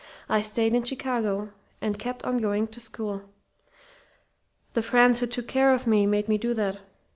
I stayed in Chicago and kept on going to school. The friends who took care of me made me do that